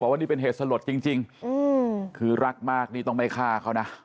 ว่านี่เป็นเหตุสลดจริงคือรักมากนี่ต้องไม่ฆ่าเขานะ